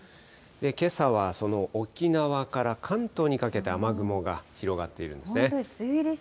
けさはその沖縄から関東にかけて雨雲が広がっているんですね。